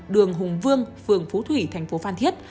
đường hùng vương phường phú thủy thành phố phan thiết